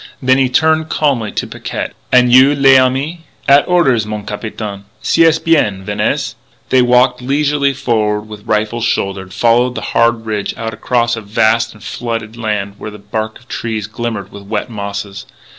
Then he turned calmly to Picquet: "An' you, l'ami?" "At orders, mon capitaine." "C'est bien. Venez." They walked leisurely forward with rifles shouldered, following the hard ridge out across a vast and flooded land where the bark of trees glimmered with wet mosses.